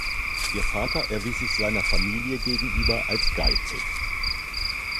Ihr Vater erwies sich seiner Familie gegenüber als geizig.